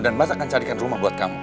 dan mas akan carikan rumah buat kamu